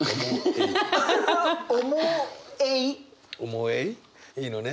面映い？いいのね？